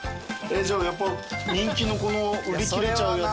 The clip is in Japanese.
じゃあやっぱ人気のこの売り切れちゃうやつ。